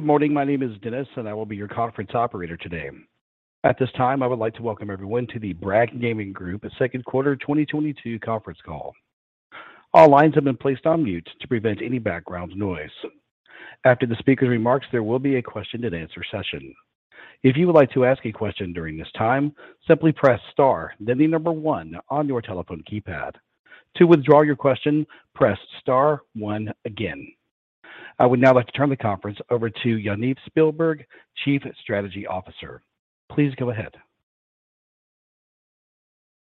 Good morning. My name is Dennis, and I will be your conference operator today. At this time, I would like to welcome everyone to the Bragg Gaming Group second quarter 2022 conference call. All lines have been placed on mute to prevent any background noise. After the speaker's remarks, there will be a question and answer session. If you would like to ask a question during this time, simply press star then the number one on your telephone keypad. To withdraw your question, press star one again. I would now like to turn the conference over to Yaniv Spielberg, Chief Strategy Officer. Please go ahead.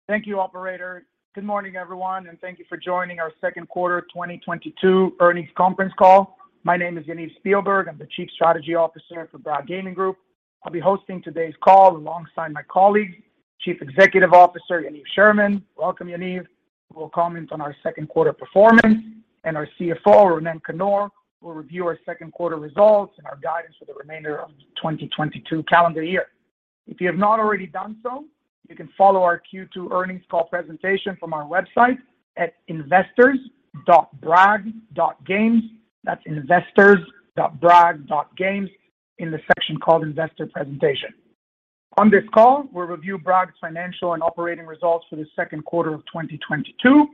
Thank you, operator. Good morning, everyone, and thank you for joining our second quarter 2022 earnings conference call. My name is Yaniv Spielberg. I'm the Chief Strategy Officer for Bragg Gaming Group. I'll be hosting today's call alongside my colleague, Chief Executive Officer, Yaniv Sherman. Welcome, Yaniv. We'll comment on our second quarter performance and our CFO, Ronen Kannor, will review our second quarter results and our guidance for the remainder of 2022 calendar year. If you have not already done so, you can follow our Q2 earnings call presentation from our website at investors.bragg.group. That's investors.bragg.group in the section called Investor Presentation. On this call, we'll review Bragg's financial and operating results for the second quarter of 2022.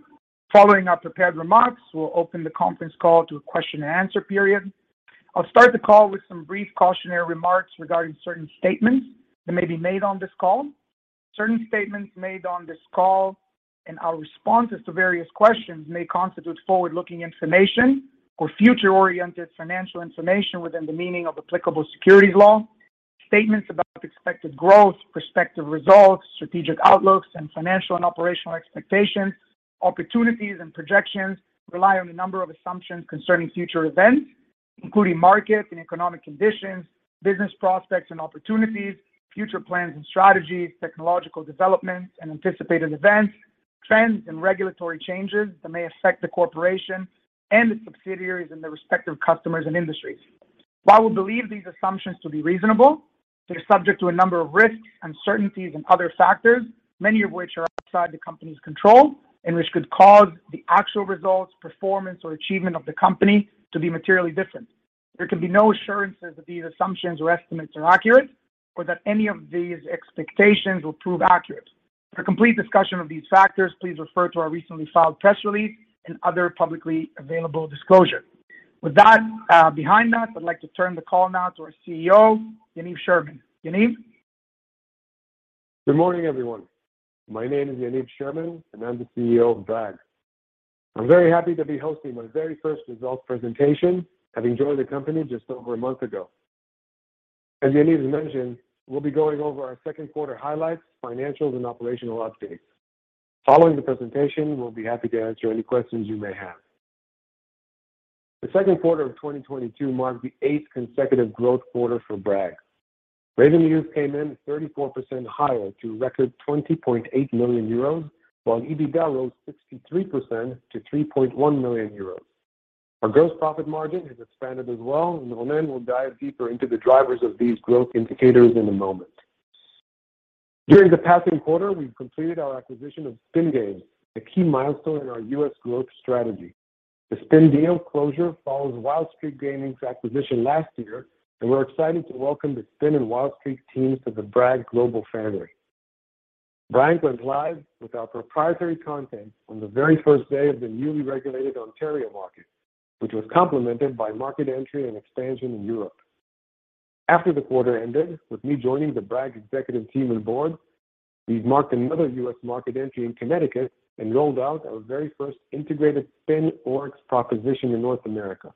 Following our prepared remarks, we'll open the conference call to a question and answer period. I'll start the call with some brief cautionary remarks regarding certain statements that may be made on this call. Certain statements made on this call and our responses to various questions may constitute forward-looking information or future-oriented financial information within the meaning of applicable securities law. Statements about expected growth, prospective results, strategic outlooks, and financial and operational expectations, opportunities, and projections rely on a number of assumptions concerning future events, including markets and economic conditions, business prospects and opportunities, future plans and strategies, technological developments and anticipated events, trends and regulatory changes that may affect the corporation and its subsidiaries and their respective customers and industries. While we believe these assumptions to be reasonable, they're subject to a number of risks, uncertainties, and other factors, many of which are outside the company's control and which could cause the actual results, performance, or achievement of the company to be materially different. There can be no assurances that these assumptions or estimates are accurate or that any of these expectations will prove accurate. For a complete discussion of these factors, please refer to our recently filed press release and other publicly available disclosure. With that, behind us, I'd like to turn the call now to our CEO, Yaniv Sherman. Yaniv. Good morning, everyone. My name is Yaniv Sherman, and I'm the CEO of Bragg. I'm very happy to be hosting my very first results presentation, having joined the company just over a month ago. As Yaniv has mentioned, we'll be going over our second quarter highlights, financials, and operational updates. Following the presentation, we'll be happy to answer any questions you may have. The second quarter of 2022 marks the eighth consecutive growth quarter for Bragg. Revenue came in 34% higher to a record 20.8 million euros, while EBITDA rose 63% to 3.1 million euros. Our gross profit margin has expanded as well, and Ronen will dive deeper into the drivers of these growth indicators in a moment. During the past quarter, we've completed our acquisition of Spin Games, a key milestone in our U.S. growth strategy. The Spin deal closure follows Wild Streak Gaming's acquisition last year, and we're excited to welcome the Spin and Wild Streak teams to the Bragg global family. Bragg went live with our proprietary content on the very first day of the newly regulated Ontario market, which was complemented by market entry and expansion in Europe. After the quarter ended, with me joining the Bragg executive team and board, we've marked another U.S. market entry in Connecticut and rolled out our very first integrated Spin-ORYX proposition in North America.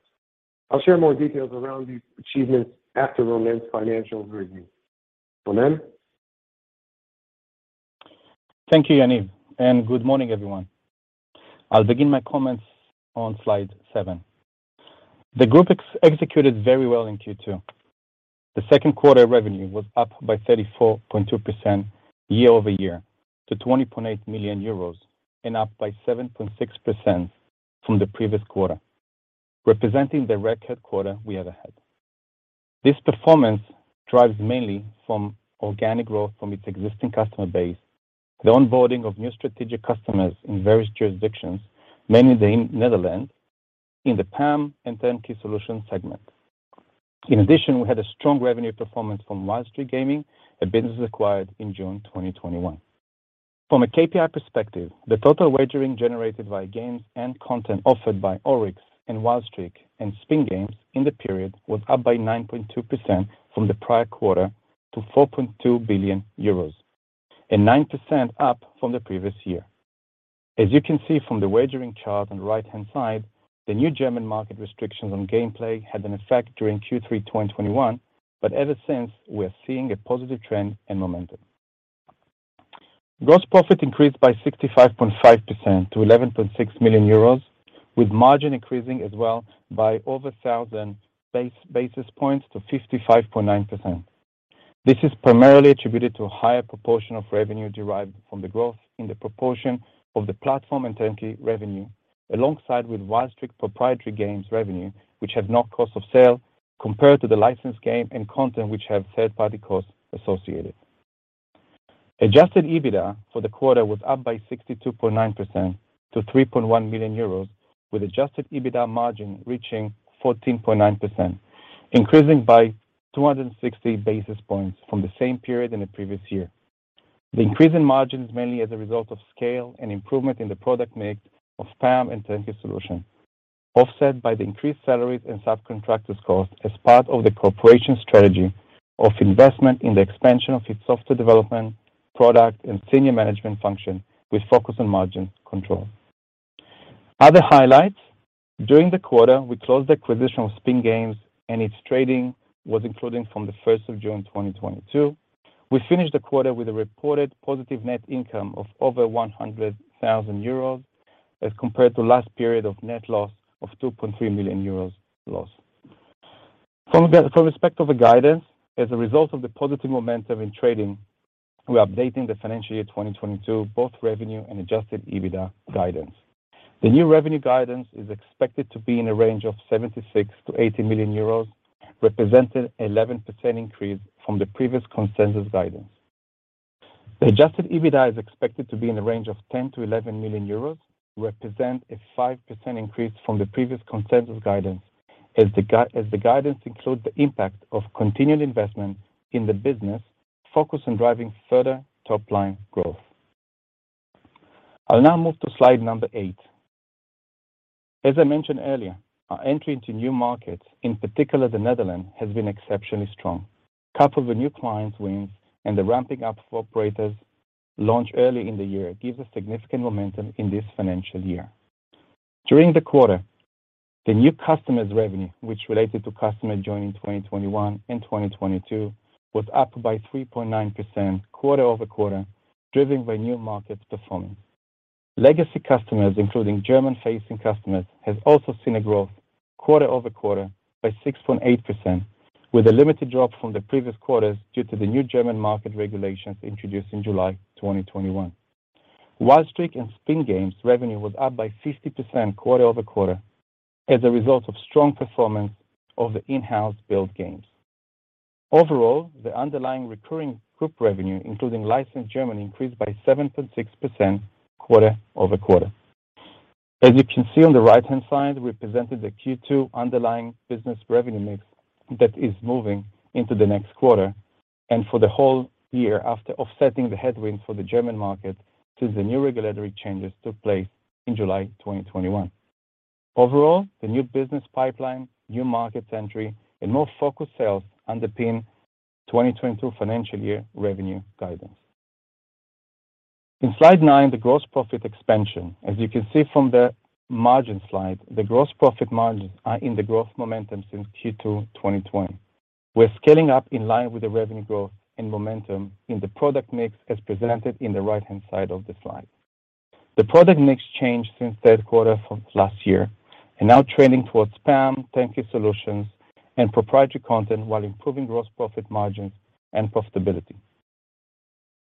I'll share more details around these achievements after Ronen's financial overview. Ronen. Thank you, Yaniv, and good morning, everyone. I'll begin my comments on slide 7. The group executed very well in Q2. The second quarter revenue was up by 34.2% year-over-year to 20.8 million euros and up by 7.6% from the previous quarter, representing the record quarter we ever had. This performance drives mainly from organic growth from its existing customer base, the onboarding of new strategic customers in various jurisdictions, mainly in the Netherlands, in the PAM and Turnkey Solutions segment. In addition, we had a strong revenue performance from Wild Streak Gaming, a business acquired in June 2021. From a KPI perspective, the total wagering generated by games and content offered by ORYX and Wild Streak and Spin Games in the period was up by 9.2% from the prior quarter to 4.2 billion euros and 9% up from the previous year. As you can see from the wagering chart on the right-hand side, the new German market restrictions on gameplay had an effect during Q3 2021, but ever since we are seeing a positive trend and momentum. Gross profit increased by 65.5% to 11.6 million euros, with margin increasing as well by over 1,000 basis points to 55.9%. This is primarily attributed to a higher proportion of revenue derived from the growth in the proportion of the platform and turnkey revenue, alongside with Wild Streak proprietary games revenue, which have no cost of sale, compared to the licensed game and content which have third-party costs associated. Adjusted EBITDA for the quarter was up by 62.9% to 3.1 million euros, with Adjusted EBITDA margin reaching 14.9%, increasing by 260 basis points from the same period in the previous year. The increase in margin is mainly as a result of scale and improvement in the product mix of PAM and turnkey solution, offset by the increased salaries and subcontractors costs as part of the corporate strategy of investment in the expansion of its software development, product and senior management function with focus on margin control. Other highlights during the quarter, we closed the acquisition of Spin Games and its trading was included from the first of June 2022. We finished the quarter with a reported positive net income of over 100 thousand euros as compared to last period of net loss of 2.3 million euros. In respect of the guidance, as a result of the positive momentum in trading, we are updating the financial year 2022 both revenue and Adjusted EBITDA guidance. The new revenue guidance is expected to be in a range of 76 million-80 million euros, representing 11% increase from the previous consensus guidance. The Adjusted EBITDA is expected to be in the range of 10 million-11 million euros, represent a 5% increase from the previous consensus guidance as the guidance includes the impact of continued investment in the business focused on driving further top-line growth. I'll now move to slide number 8. As I mentioned earlier, our entry into new markets, in particular the Netherlands, has been exceptionally strong. Couple of new clients wins and the ramping up of operators launched early in the year gives us significant momentum in this financial year. During the quarter, the new customers revenue, which related to customer joining in 2021 and 2022, was up by 3.9% quarter-over-quarter, driven by new markets performance. Legacy customers, including German-facing customers, has also seen a growth quarter-over-quarter by 6.8%, with a limited drop from the previous quarters due to the new German market regulations introduced in July 2021. Wild Streak and Spin Games revenue was up by 50% quarter-over-quarter as a result of strong performance of the in-house built games. Overall, the underlying recurring group revenue, including licensed German, increased by 7.6% quarter-over-quarter. As you can see on the right-hand side, we presented the Q2 underlying business revenue mix that is moving into the next quarter and for the whole year after offsetting the headwind for the German market since the new regulatory changes took place in July 2021. Overall, the new business pipeline, new markets entry and more focused sales underpin 2022 financial year revenue guidance. In slide 9, the gross profit expansion. As you can see from the margin slide, the gross profit margins are in the growth momentum since Q2 2020. We're scaling up in line with the revenue growth and momentum in the product mix as presented in the right-hand side of the slide. The product mix changed since third quarter from last year and now trending towards PAM, turnkey solutions and proprietary content while improving gross profit margins and profitability.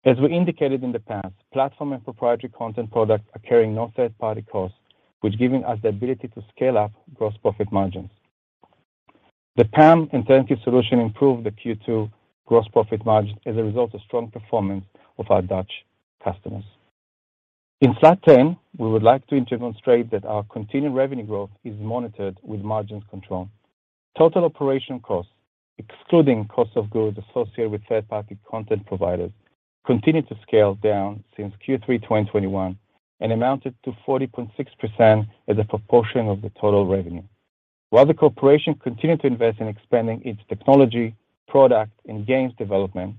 As we indicated in the past, platform and proprietary content products are carrying no third party costs, which giving us the ability to scale up gross profit margins. The PAM and turnkey solution improved the Q2 gross profit margin as a result of strong performance of our Dutch customers. In slide 10, we would like to demonstrate that our continued revenue growth is monitored with margins control. Total operating costs, excluding cost of goods associated with third party content providers, continued to scale down since Q3 2021, and amounted to 40.6% as a proportion of the total revenue. While the corporation continued to invest in expanding its technology, product and games development,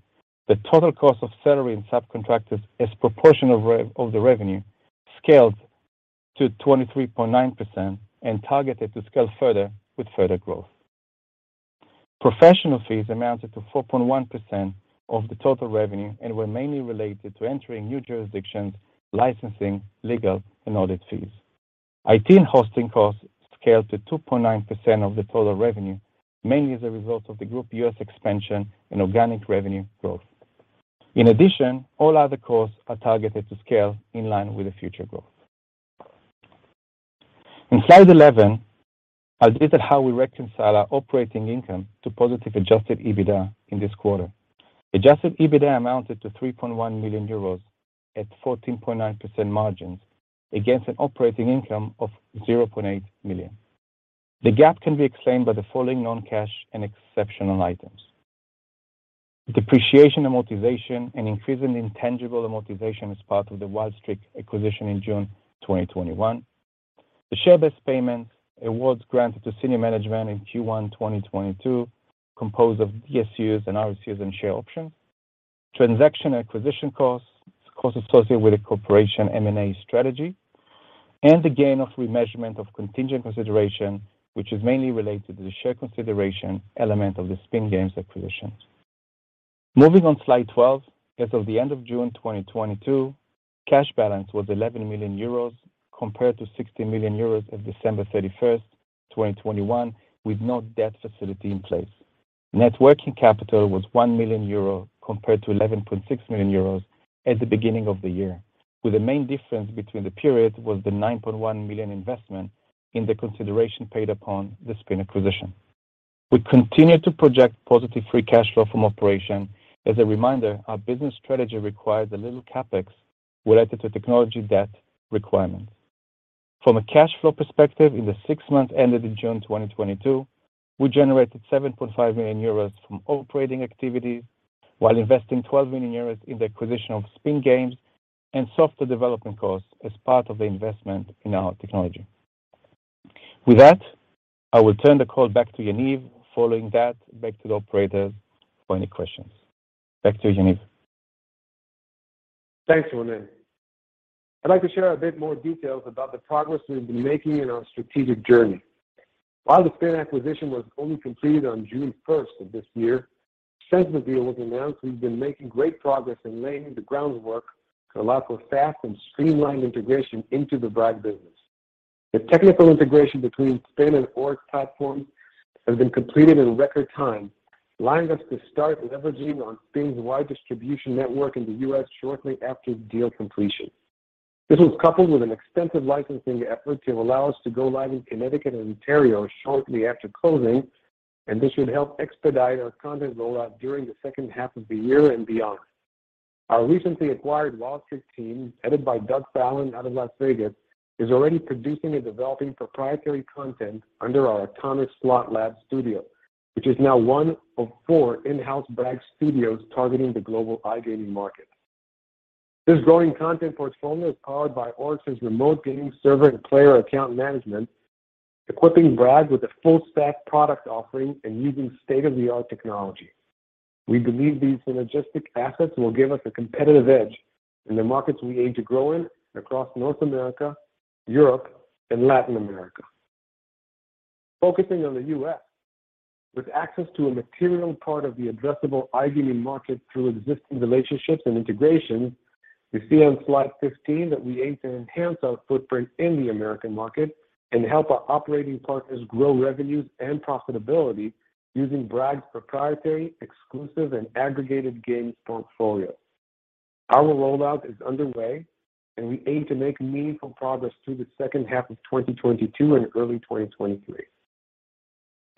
the total cost of salary and subcontractors as proportion of the revenue scaled to 23.9% and targeted to scale further with further growth. Professional fees amounted to 4.1% of the total revenue and were mainly related to entering new jurisdictions, licensing, legal, and audit fees. IT and hosting costs scaled to 2.9% of the total revenue, mainly as a result of the group U.S. expansion and organic revenue growth. In addition, all other costs are targeted to scale in line with the future growth. In slide 11, I'll detail how we reconcile our operating income to positive adjusted EBITDA in this quarter. Adjusted EBITDA amounted to 3.1 million euros at 14.9% margins against an operating income of 0.8 million. The gap can be explained by the following non-cash and exceptional items. Depreciation, amortization, an increase in intangible amortization as part of the Wild Streak acquisition in June 2021. The share-based payments awards granted to senior management in Q1 2022 composed of DSUs and RSUs, and share options. Transaction acquisition costs associated with the corporation M&A strategy, and the gain of remeasurement of contingent consideration, which is mainly related to the share consideration element of the Spin Games acquisitions. Moving on to slide 12. As of the end of June 2022, cash balance was 11 million euros compared to 60 million euros as of December 31, 2021, with no debt facility in place. Net working capital was 1 million euro compared to 11.6 million euros at the beginning of the year. The main difference between the periods was the 9.1 million investment in the consideration paid upon the Spin acquisition. We continue to project positive free cash flow from operations. As a reminder, our business strategy requires a little CapEx related to technical debt requirements. From a cash flow perspective, in the six months ended in June 2022, we generated 7.5 million euros from operating activities while investing 12 million euros in the acquisition of Spin Games and software development costs as part of the investment in our technology. With that, I will turn the call back to Yaniv. Following that, back to the operator for any questions. Back to Yaniv. Thanks, Ronen. I'd like to share a bit more details about the progress we've been making in our strategic journey. While the Spin acquisition was only completed on June first of this year, since the deal was announced, we've been making great progress in laying the groundwork to allow for fast and streamlined integration into the Bragg business. The technical integration between Spin and ORYX platforms has been completed in record time, allowing us to start leveraging on Spin's wide distribution network in the U.S. shortly after the deal completion. This was coupled with an extensive licensing effort to allow us to go live in Connecticut and Ontario shortly after closing, and this should help expedite our content rollout during the second half of the year and beyond. Our recently acquired Wild Streak team, headed by Doug Fallon out of Las Vegas, is already producing and developing proprietary content under our Atomic Slot Lab studio, which is now one of four in-house Bragg studios targeting the global iGaming market. This growing content portfolio is powered by ORYX's remote gaming server and player account management, equipping Bragg with a full stack product offering and using state-of-the-art technology. We believe these synergistic assets will give us a competitive edge in the markets we aim to grow in across North America, Europe, and Latin America. Focusing on the U.S., with access to a material part of the addressable iGaming market through existing relationships and integrations, we see on slide 15 that we aim to enhance our footprint in the American market and help our operating partners grow revenues and profitability using Bragg's proprietary, exclusive, and aggregated games portfolio. Our rollout is underway, and we aim to make meaningful progress through the second half of 2022 and early 2023.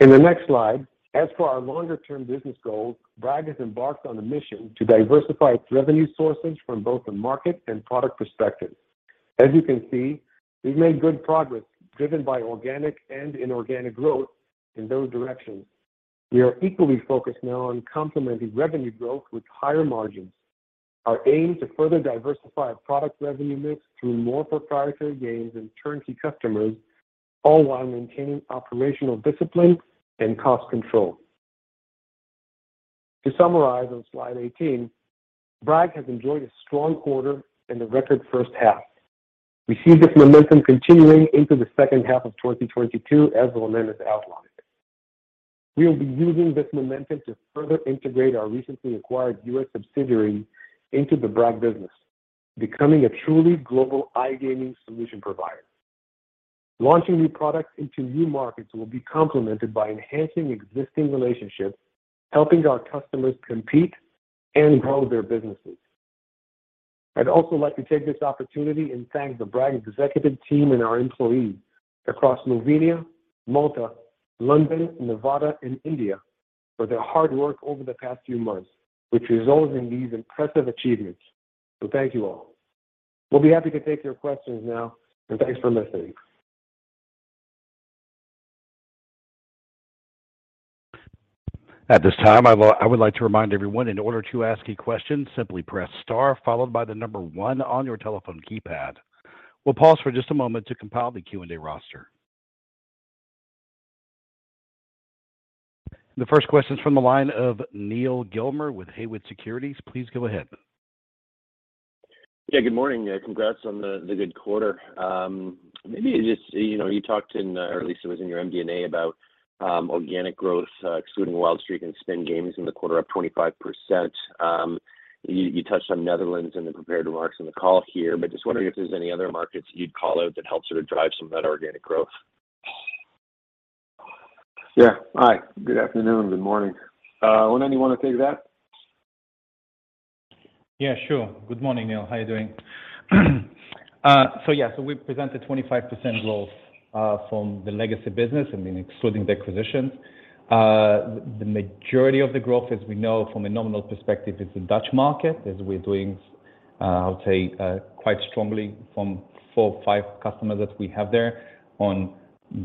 In the next slide, as for our longer-term business goals, Bragg has embarked on a mission to diversify its revenue sources from both a market and product perspective. As you can see, we've made good progress driven by organic and inorganic growth in those directions. We are equally focused now on complementing revenue growth with higher margins. Our aim to further diversify our product revenue mix through more proprietary games and turnkey customers, all while maintaining operational discipline and cost control. To summarize on slide 18, Bragg has enjoyed a strong quarter and a record first half. We see this momentum continuing into the second half of 2022, as Ronen has outlined. We will be using this momentum to further integrate our recently acquired US subsidiary into the Bragg business, becoming a truly global iGaming solution provider. Launching new products into new markets will be complemented by enhancing existing relationships, helping our customers compete and grow their businesses. I'd also like to take this opportunity and thank the Bragg executive team and our employees across Slovenia, Malta, London, Nevada, and India for their hard work over the past few months, which results in these impressive achievements. Thank you all. We'll be happy to take your questions now, and thanks for listening. At this time, I would like to remind everyone in order to ask a question, simply press star followed by the number one on your telephone keypad. We'll pause for just a moment to compile the Q&A roster. The first question is from the line of Neal Gilmer with Haywood Securities. Please go ahead. Yeah, good morning. Congrats on the good quarter. Maybe just, you know, you talked in, or at least it was in your MD&A, about organic growth, excluding Wild Streak and Spin Games in the quarter up 25%. You touched on Netherlands in the prepared remarks on the call here, but just wondering if there's any other markets you'd call out that help sort of drive some of that organic growth. Yeah. Hi, good afternoon. Good morning. Ronen, you wanna take that? Yeah, sure. Good morning, Neal. How you doing? Yeah, we presented 25% growth from the legacy business. I mean, excluding the acquisitions. The majority of the growth, as we know from a nominal perspective, is the Dutch market, as we're doing, I would say, quite strongly from four or five customers that we have there on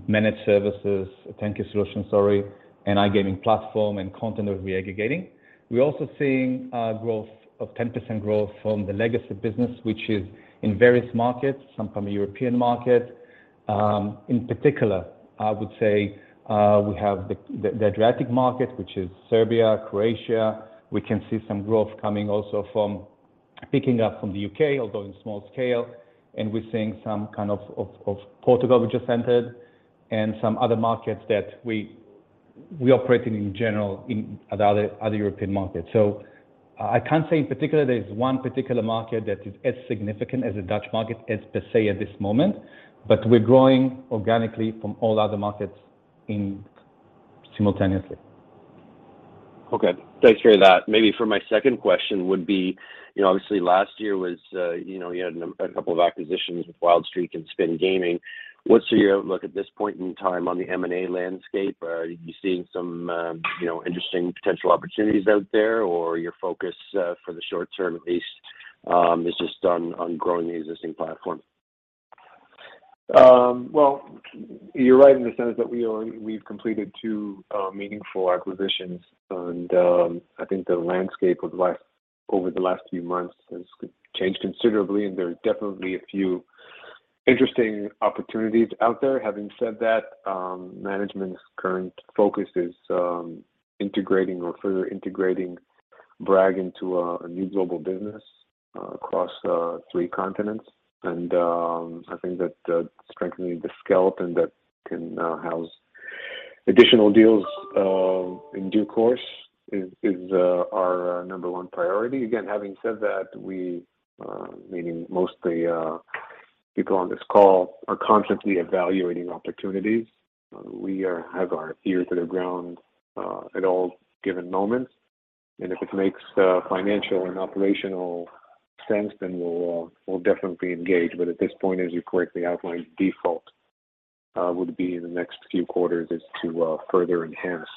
managed services, turnkey solution, sorry, and iGaming platform and content that we're aggregating. We're also seeing growth of 10% from the legacy business, which is in various markets, some from the European market. In particular, I would say, we have the Adriatic market, which is Serbia, Croatia. We can see some growth coming also from picking up from the UK, although in small scale. We're seeing some kind of Portugal we just entered and some other markets that we operate in general, in other European markets. I can't say in particular, there's one particular market that is as significant as the Dutch market per se at this moment, but we're growing organically in all other markets simultaneously. Okay. Thanks for that. Maybe for my second question would be, you know, obviously last year was, you know, you had a couple of acquisitions with Wild Streak and Spin Games. What's your outlook at this point in time on the M&A landscape? Are you seeing some, you know, interesting potential opportunities out there, or your focus, for the short term at least, is just on growing the existing platform? Well, you're right in the sense that we've completed two meaningful acquisitions, and I think the landscape over the last few months has changed considerably, and there are definitely a few interesting opportunities out there. Having said that, management's current focus is integrating or further integrating Bragg into a new global business across three continents. I think that strengthening the skeleton that can now house additional deals in due course is our number one priority. Again, having said that, we, meaning mostly people on this call, are constantly evaluating opportunities. We have our ear to the ground at all given moments, and if it makes financial and operational sense, then we'll definitely engage. At this point, as you correctly outlined, default would be in the next few quarters is to further enhance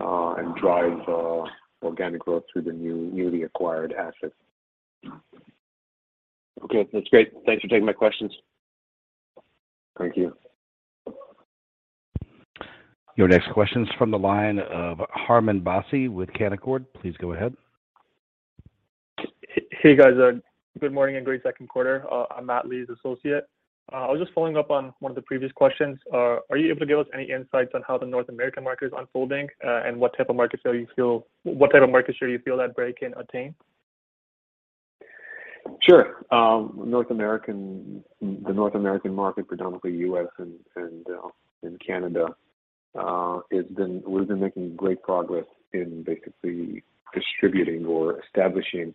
and drive organic growth through the newly acquired assets. Okay. That's great. Thanks for taking my questions. Thank you. Your next question is from the line of Harman Bassi with Canaccord. Please go ahead. Hey, guys. Good morning and great second quarter. I'm Matt Lee's associate. I was just following up on one of the previous questions. Are you able to give us any insights on how the North American market is unfolding, and what type of market share you feel that Bragg can attain? Sure. The North American market, predominantly U.S. and Canada, we've been making great progress in basically distributing or establishing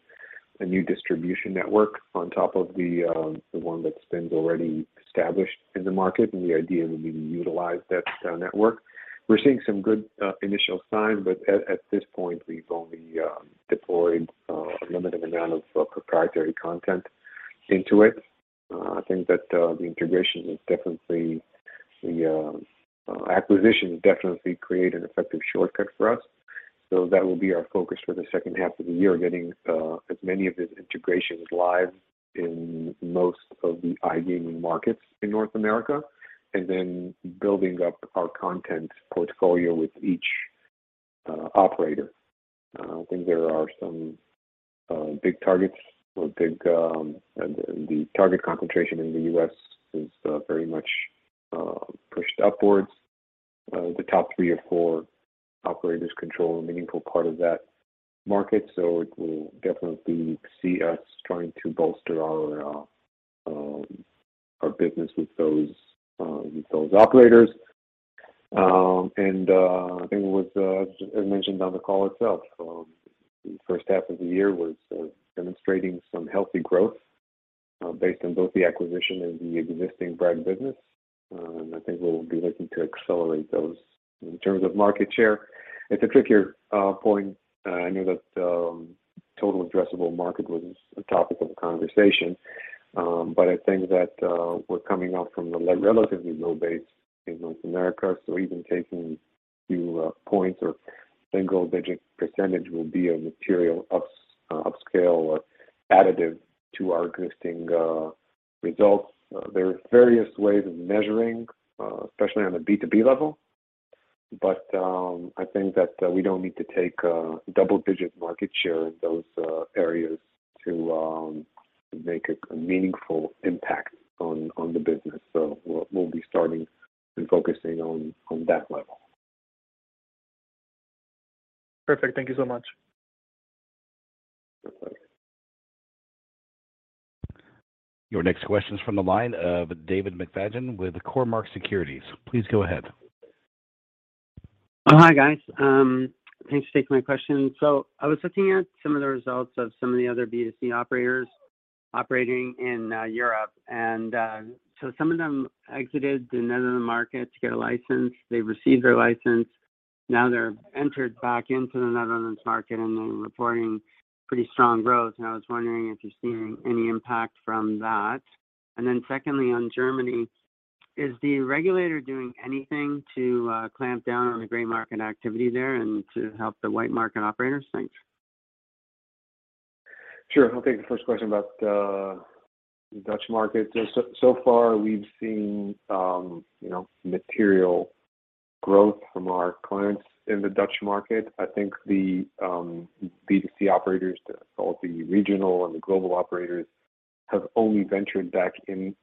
a new distribution network on top of the one that Spin's already established in the market. The idea would be to utilize that network. We're seeing some good initial signs, but at this point we've only deployed a limited amount of proprietary content into it. I think that the acquisition definitely creates an effective shortcut for us. That will be our focus for the second half of the year, getting as many of these integrations live in most of the iGaming markets in North America and then building up our content portfolio with each operator. The target concentration in the US is very much pushed upwards. The top three or four operators control a meaningful part of that market, so it will definitely see us trying to bolster our business with those operators. I think it was as mentioned on the call itself, the first half of the year was demonstrating some healthy growth based on both the acquisition and the existing Bragg business. I think we'll be looking to accelerate those. In terms of market share, it's a trickier point. I know that total addressable market was a topic of conversation, but I think that we're coming off from a relatively low base in North America, so even taking a few points or single-digit percentage will be a material upscale or additive to our existing results. There are various ways of measuring, especially on a B2B level, but I think that we don't need to take a double-digit market share in those areas to make a meaningful impact on the business. We'll be starting and focusing on that level. Perfect. Thank you so much. No problem. Your next question is from the line of David McFadgen with Cormark Securities. Please go ahead. Hi, guys. Thanks for taking my question. I was looking at some of the results of some of the other B2C operators operating in Europe. Some of them exited the Netherlands market to get a license. They received their license. Now they're entered back into the Netherlands market, and they're reporting pretty strong growth. I was wondering if you're seeing any impact from that. Secondly, on Germany, is the regulator doing anything to clamp down on the gray market activity there and to help the white market operators? Thanks. Sure. I'll take the first question about the Dutch market. So far we've seen, you know, material growth from our clients in the Dutch market. I think the B2C operators, both the regional and the global operators, have only ventured back in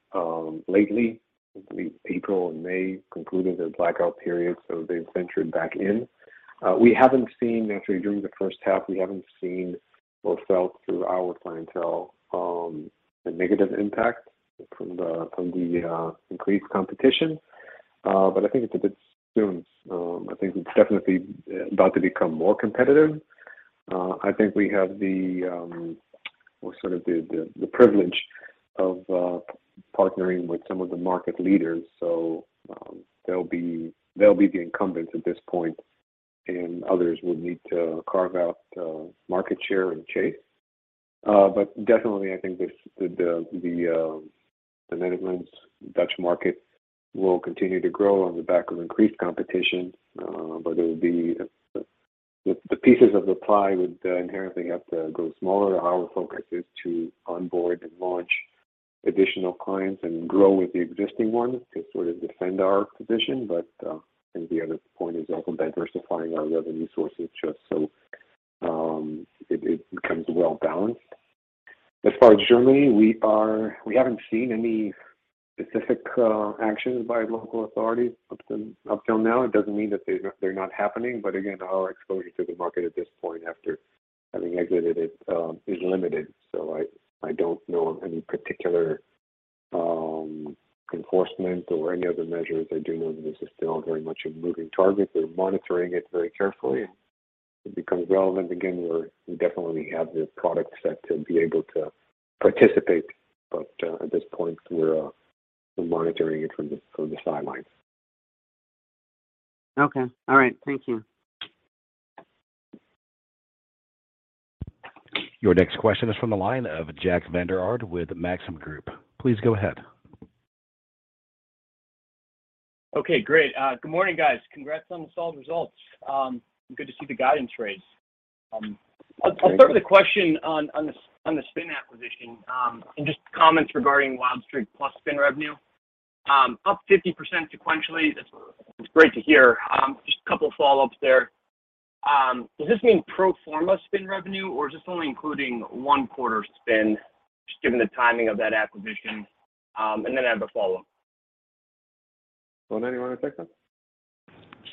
lately. I believe April and May concluded their blackout period, so they've ventured back in. We haven't seen, actually during the first half, or felt through our clientele a negative impact from the increased competition. I think it's a bit soon. I think it's definitely about to become more competitive. I think we have the or sort of the privilege of partnering with some of the market leaders. They'll be the incumbents at this point, and others would need to carve out market share and chase. Definitely I think the Netherlands Dutch market will continue to grow on the back of increased competition. The pieces of the pie would inherently have to grow smaller. Our focus is to onboard and launch additional clients and grow with the existing ones to sort of defend our position. I think the other point is also diversifying our revenue sources just so it becomes well balanced. As far as Germany, we haven't seen any specific actions by local authorities up until now. It doesn't mean that they're not happening, but again, our exposure to the market at this point after having exited it is limited. I don't know of any particular enforcement or any other measures. I do know this is still very much a moving target. We're monitoring it very carefully. If it becomes relevant again, we definitely have the product set to be able to participate. At this point we're monitoring it from the sidelines. Okay. All right. Thank you. Your next question is from the line of Jack Vander Aarde with Maxim Group. Please go ahead. Okay, great. Good morning guys. Congrats on the solid results. Good to see the guidance raise. I'll start with a question on the Spin acquisition, and just comments regarding Wild Streak plus Spin revenue. Up 50% sequentially, that's great to hear. Just a couple of follow-ups there. Does this mean pro forma Spin revenue or is this only including one quarter Spin just given the timing of that acquisition? I have a follow-up. Kannor, you wanna take that?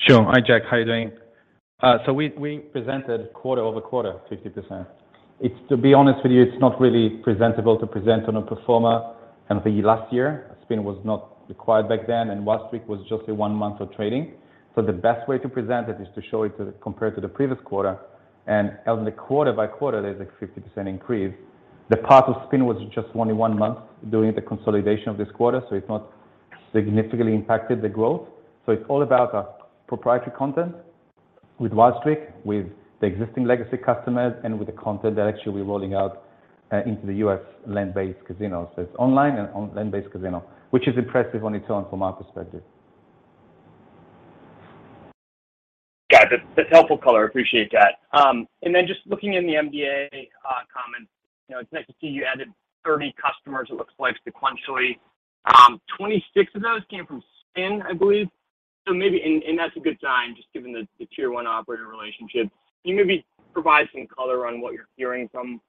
Sure. Hi Jack. How you doing? We presented quarter-over-quarter 50%. It's to be honest with you, it's not really presentable to present on a pro forma. The last year Spin was not acquired back then, and Wild Streak was just one month of trading. The best way to present it is to show it compared to the previous quarter. In the quarter-by-quarter there's a 50% increase. The part of Spin was just only one month during the consolidation of this quarter, so it's not significantly impacted the growth. It's all about proprietary content with Wild Streak, with the existing legacy customers and with the content that actually we're rolling out into the U.S. land-based casinos. It's online and on land-based casino, which is impressive on its own from our perspective. Got it. That's helpful color. Appreciate that. Just looking in the MD&A comments, you know, it's nice to see you added 30 customers, it looks like sequentially. Twenty-six of those came from Spin, I believe. So, maybe that's a good sign just given the tier one operator relationship. Can you maybe provide some color on what you're hearing from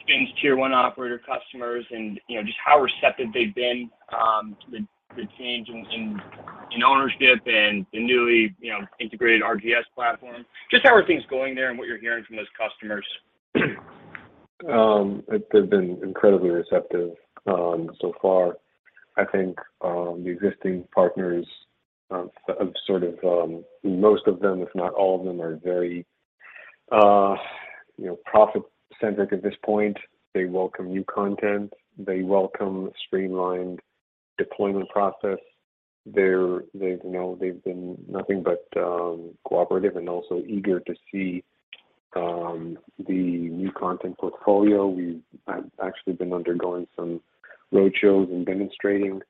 Spin's tier one operator customers and, you know, just how receptive they've been to the change in ownership and the newly, you know, integrated RGS platform? Just how are things going there and what you're hearing from those customers? They've been incredibly receptive so far. I think the existing partners have sort of most of them, if not all of them, are very you know profit centric at this point. They welcome new content. They welcome streamlined deployment process. They've you know been nothing but cooperative and also eager to see the new content portfolio. We've actually been undergoing some road shows and demonstrating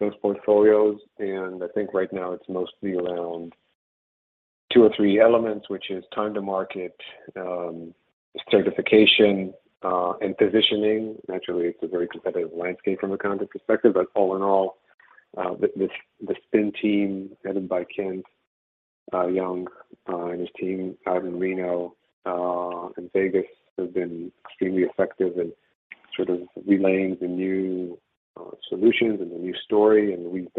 those portfolios, and I think right now it's mostly around two or three elements, which is time to market, certification, and positioning. Naturally, it's a very competitive landscape from a content perspective, but all in all, the Spin team headed by Kent Young and his team out in Reno and Vegas have been extremely effective at sort of relaying the new solutions and the new story. We've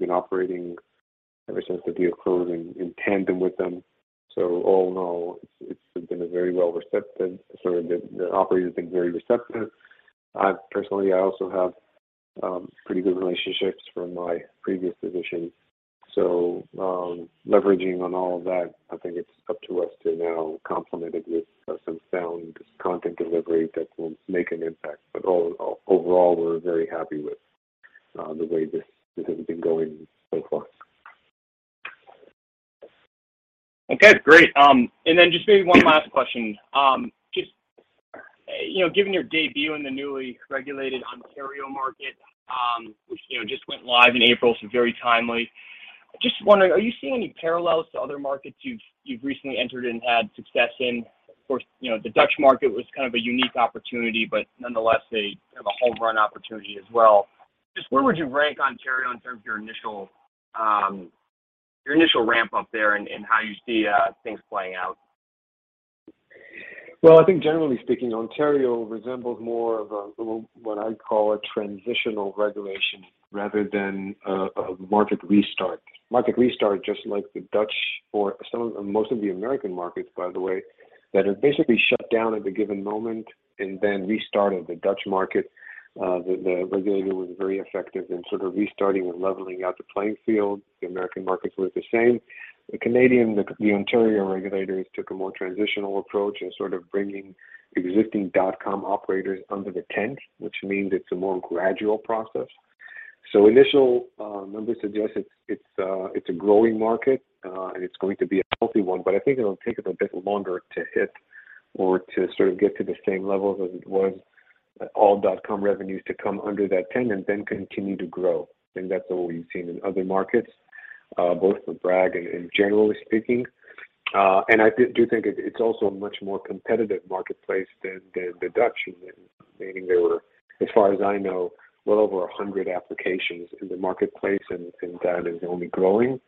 been operating ever since the deal closed in tandem with them. All in all, it's been very well received sort of. The operator's been very receptive. I also have pretty good relationships from my previous position. Leveraging on all of that, I think it's up to us to now complement it with some sound content delivery that will make an impact. Overall, we're very happy with the way this has been going so far. Okay, great. Then just maybe one last question. Just, you know, given your debut in the newly regulated Ontario market, which, you know, just went live in April, so very timely. Just wondering, are you seeing any parallels to other markets you've recently entered and had success in? Of course, you know, the Dutch market was kind of a unique opportunity, but nonetheless a kind of home run opportunity as well. Just where would you rank Ontario in terms of your initial ramp up there and how you see things playing out? Well, I think generally speaking, Ontario resembles more of a, what I'd call a transitional regulation rather than a market restart. Market restart, just like the Dutch or most of the American markets, by the way, that have basically shut down at the given moment and then restarted the Dutch market. The regulator was very effective in sort of restarting and leveling out the playing field. The American markets were the same. The Canadian, the Ontario regulators took a more transitional approach in sort of bringing existing dot-com operators under the tent, which means it's a more gradual process. Initial numbers suggest it's a growing market, and it's going to be a healthy one, but I think it'll take it a bit longer to hit or to sort of get to the same level as it was, all dot-com revenues to come under that tent and then continue to grow. I think that's what we've seen in other markets, both for Bragg and generally speaking. I do think it's also a much more competitive marketplace than the Dutch. I mean, there were, as far as I know, well over 100 applications in the marketplace and that is only growing,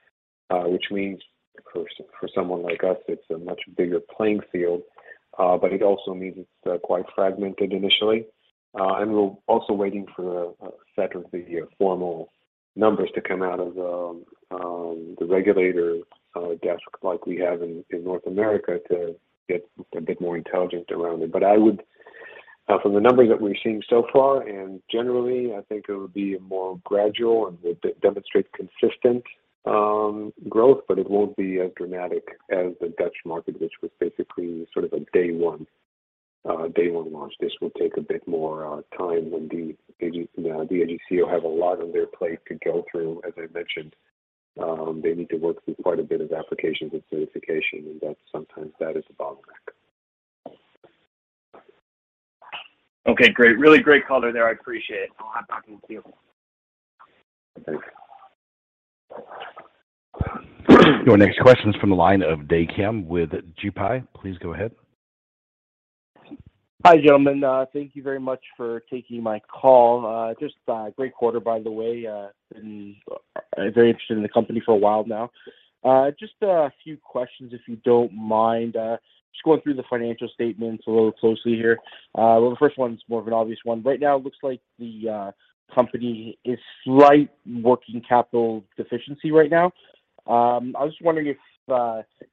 which means for someone like us, it's a much bigger playing field, but it also means it's quite fragmented initially. We're also waiting for a set of the formal numbers to come out of the regulator desk like we have in North America to get a bit more intelligent around it. From the numbers that we're seeing so far, and generally I think it would be a more gradual and would demonstrate consistent growth, but it won't be as dramatic as the Dutch market, which was basically sort of a day one launch. This will take a bit more time when the AGCO have a lot on their plate to go through. As I mentioned, they need to work through quite a bit of applications and certification, and that's sometimes a bottleneck. Okay, great. Really great color there. I appreciate it. I'll hop back in the queue. Thanks. Your next question is from the line of Daehee Kim with J.P. Morgan. Please go ahead. Hi, gentlemen. Thank you very much for taking my call. Just a great quarter by the way. Been very interested in the company for a while now. Just a few questions, if you don't mind. Just going through the financial statements a little closely here. Well, the first one is more of an obvious one. Right now it looks like the company is slight working capital deficiency right now. I was just wondering if,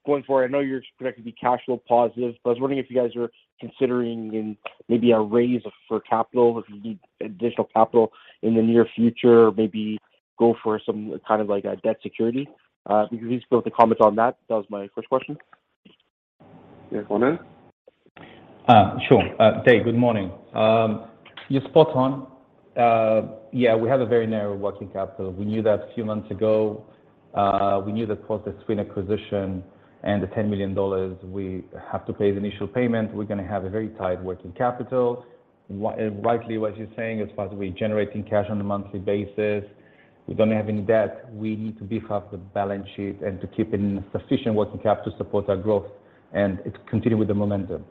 going forward, I know you're projected to be cash flow positive, but I was wondering if you guys are considering in maybe a raise for capital or if you need additional capital in the near future, or maybe go for some kind of like a debt security. If you could just go with the comments on that. That was my first question. Yeah. Ronen? Sure. Daehee, good morning. You're spot on. Yeah, we have a very narrow working capital. We knew that a few months ago. We knew that for the Spin acquisition and the $10 million we have to pay the initial payment, we're gonna have a very tight working capital. Right, what you're saying, as far as we're generating cash on a monthly basis, we don't have any debt. We need to beef up the balance sheet and to keep a sufficient working capital to support our growth and to continue with the momentum.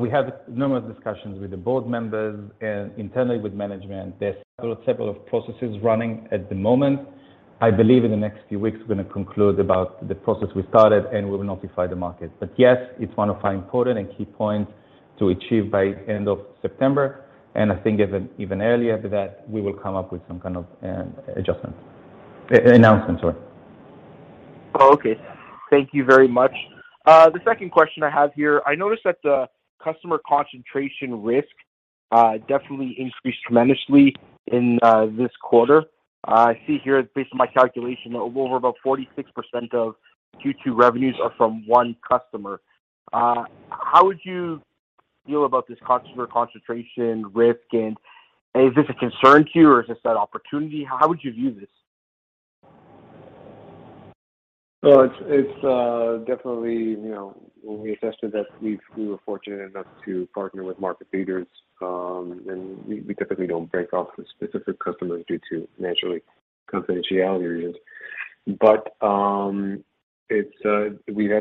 We have numerous discussions with the board members and internally with management. There's several processes running at the moment. I believe in the next few weeks we're gonna conclude about the process we started, and we will notify the market. Yes, it's one of our important and key points to achieve by end of September, and I think even earlier than that, we will come up with some kind of announcement, sorry. Oh, okay. Thank you very much. The second question I have here, I noticed that the customer concentration risk definitely increased tremendously in this quarter. I see here, based on my calculation, over about 46% of Q2 revenues are from one customer. How would you feel about this customer concentration risk, and is this a concern to you or is this an opportunity? How would you view this? It's definitely, you know, when we assessed it that we were fortunate enough to partner with market leaders, and we typically don't break off the specific customers due to, naturally, confidentiality reasons. We've had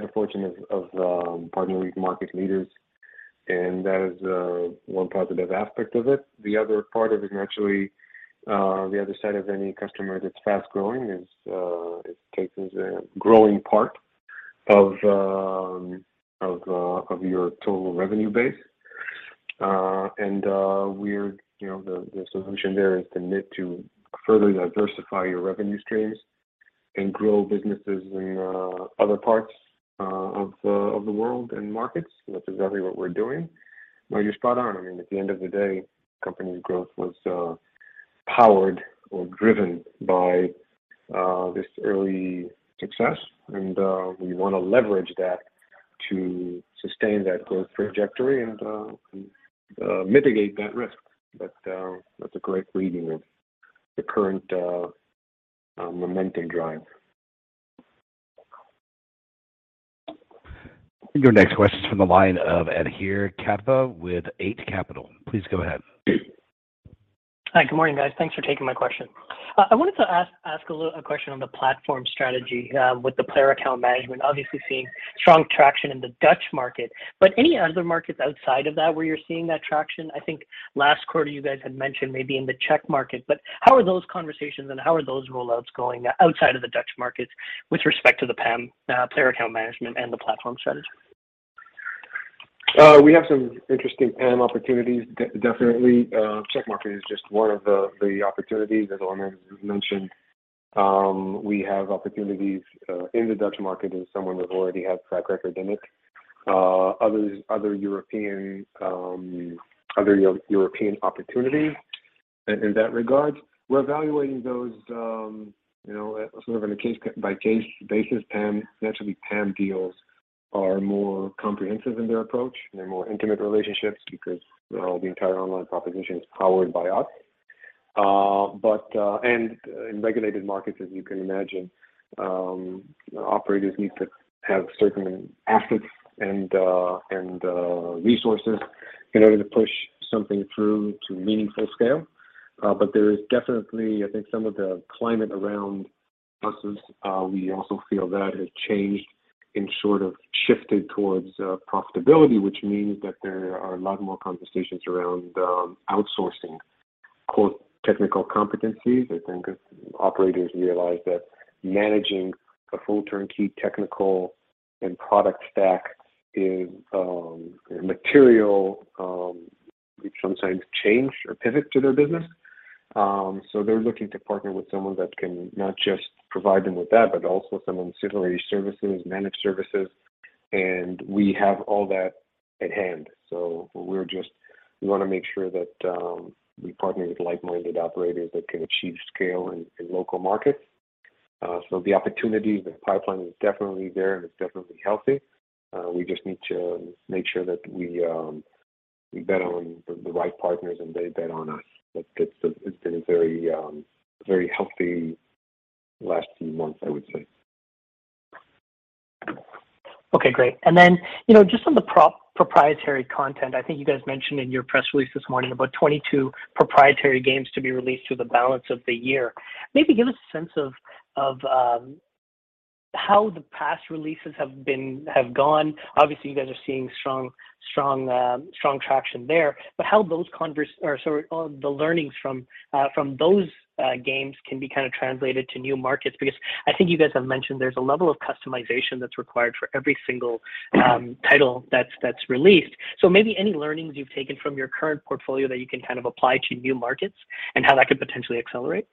the fortune of partnering with market leaders and that is one positive aspect of it. The other part of it, naturally, the other side of any customer that's fast-growing is it takes a growing part of your total revenue base. We're, you know, the solution there is to need to further diversify your revenue streams and grow businesses in other parts of the world and markets. That's exactly what we're doing. No, you're spot on. I mean, at the end of the day, company growth was powered or driven by this early success, and we wanna leverage that to sustain that growth trajectory and mitigate that risk. That's a great reading of the current momentum drive. Your next question's from the line of Adhir Kadve with Eight Capital. Please go ahead. Hi. Good morning, guys. Thanks for taking my question. I wanted to ask a question on the platform strategy with the player account management. Obviously, seeing strong traction in the Dutch market, but any other markets outside of that where you're seeing that traction? I think last quarter you guys had mentioned maybe in the Czech market, but how are those conversations and how are those rollouts going outside of the Dutch markets with respect to the PAM, player account management and the platform strategy? We have some interesting PAM opportunities definitely. Czech market is just one of the opportunities, as Sherman mentioned. We have opportunities in the Dutch market as one that already has track record in it. Other European opportunities in that regard. We're evaluating those, you know, sort of on a case by case basis. PAM, naturally, PAM deals are more comprehensive in their approach and they're more intimate relationships because the entire online proposition is powered by us. In regulated markets, as you can imagine, operators need to have certain assets and resources in order to push something through to meaningful scale. There is definitely, I think, some of the climate around us is, we also feel that has changed and sort of shifted towards profitability, which means that there are a lot more conversations around outsourcing quote "technical competencies." I think as operators realize that managing a full turnkey technical and product stack is material, which sometimes change or pivot to their business. They're looking to partner with someone that can not just provide them with that, but also someone with similar services, managed services. We have all that at hand. We're just we wanna make sure that we partner with like-minded operators that can achieve scale in local markets. The opportunity, the pipeline is definitely there and it's definitely healthy. We just need to make sure that we bet on the right partners and they bet on us. It's been a very healthy last few months, I would say. Okay, great. Then, you know, just on the proprietary content, I think you guys mentioned in your press release this morning about 22 proprietary games to be released through the balance of the year. Maybe give us a sense of how the past releases have gone. Obviously, you guys are seeing strong traction there. But how those learnings from those games can be kind of translated to new markets? Because I think you guys have mentioned there's a level of customization that's required for every single title that's released. Maybe any learnings you've taken from your current portfolio that you can kind of apply to new markets and how that could potentially accelerate.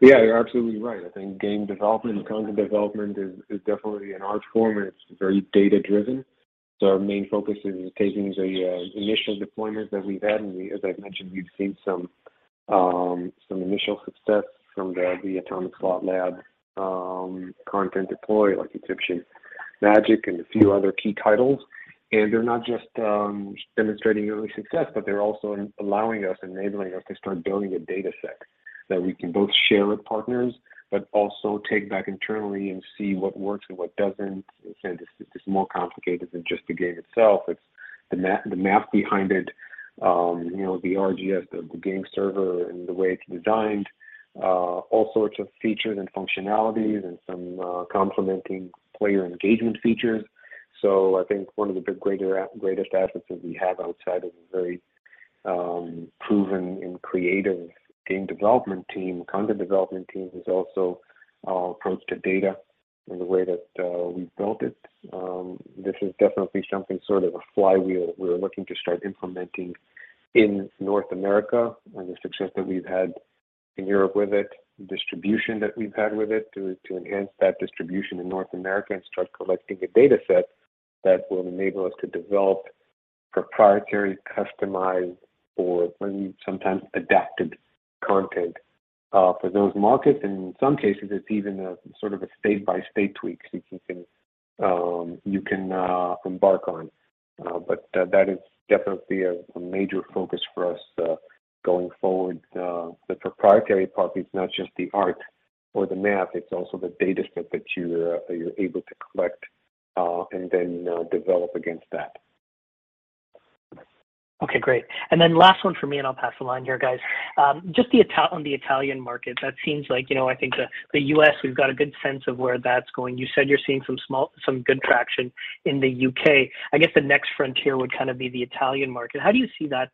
Yeah, you're absolutely right. I think game development and content development is definitely an art form, and it's very data-driven. Our main focus is taking the initial deployments that we've had. As I've mentioned, we've seen some initial success from the Atomic Slot Lab content deployment, like Egyptian Magic and a few other key titles. They're not just demonstrating early success, but they're also allowing us, enabling us to start building a data set that we can both share with partners but also take back internally and see what works and what doesn't. It's more complicated than just the game itself. It's the math behind it, you know, the RGS, the game server and the way it's designed, all sorts of features and functionalities and some complementing player engagement features. I think one of the big greatest assets that we have outside of the very proven and creative game development team, content development team is also our approach to data and the way that we've built it. This is definitely something sort of a flywheel we're looking to start implementing in North America. The success that we've had in Europe with it, the distribution that we've had with it to enhance that distribution in North America and start collecting a data set that will enable us to develop proprietary, customized or sometimes adapted content for those markets. In some cases, it's even a sort of a state-by-state tweak you can embark on. That is definitely a major focus for us going forward. The proprietary part is not just the art or the math, it's also the data set that you're able to collect, and then, you know, develop against that. Okay, great. Last one for me, and I'll pass along here, guys. Just on the Italian market, that seems like, you know, I think the U.S. we've got a good sense of where that's going. You said you're seeing some good traction in the U.K. I guess the next frontier would kind of be the Italian market. How do you see that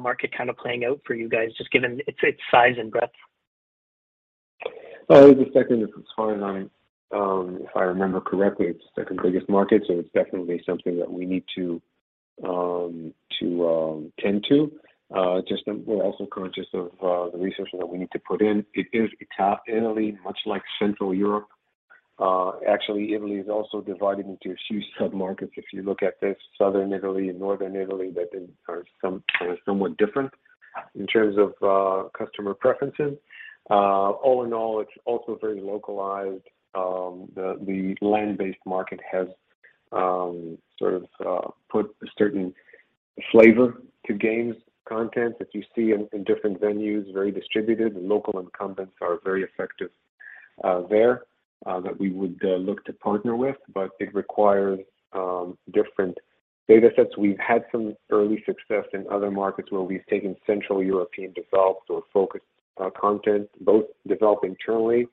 market kind of playing out for you guys, just given its size and breadth? It's a fine line. If I remember correctly, it's the second biggest market, so it's definitely something that we need to tend to. We're also conscious of the resources that we need to put in. It is Italy, much like Central Europe. Actually, Italy is also divided into a few sub-markets. If you look at this, Southern Italy and Northern Italy that are somewhat different in terms of customer preferences. All in all, it's also very localized. The land-based market has sort of put a certain flavor to games content that you see in different venues, very distributed. The local incumbents are very effective there that we would look to partner with, but it requires different data sets. We've had some early success in other markets where we've taken Central European developed or focused content, both developed internally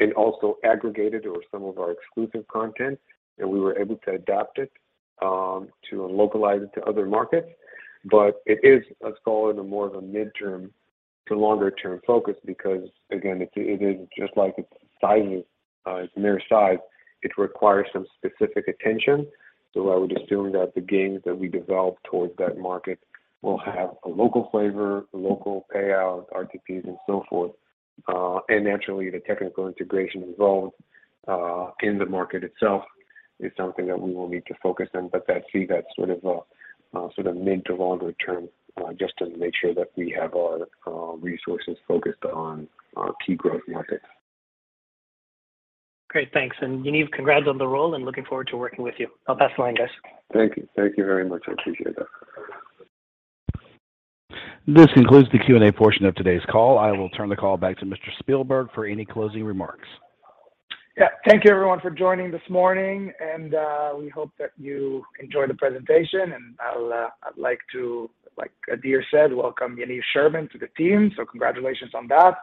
and also aggregated or some of our exclusive content, and we were able to adapt it to localize it to other markets. But it is, let's call it, a more of a midterm to longer term focus because, again, it is just like its sizing, its mere size. It requires some specific attention. I would assume that the games that we develop towards that market will have a local flavor, local payout, RTPs and so forth. And naturally, the technical integration involved in the market itself is something that we will need to focus on. That's sort of mid- to long-term, just to make sure that we have our resources focused on our key growth markets. Great. Thanks. Yaniv, congrats on the role and looking forward to working with you. I'll pass the line, guys. Thank you. Thank you very much. I appreciate that. This concludes the Q&A portion of today's call. I will turn the call back to Mr. Spielberg for any closing remarks. Yeah. Thank you everyone for joining this morning, and we hope that you enjoyed the presentation. I'd like to, like Adhir said, welcome Yaniv Sherman to the team. Congratulations on that.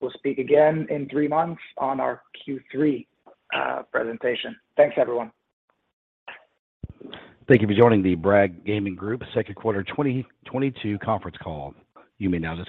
We'll speak again in three months on our Q3 presentation. Thanks, everyone. Thank you for joining the Bragg Gaming Group second quarter 2022 conference call. You may now disconnect.